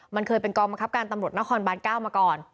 มันเคยเป็นกองมกรับการตำลวดนครบานซ์เก้ามาก่อน